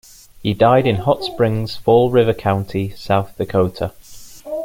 He died in Hot Springs, Fall River County, South Dakota.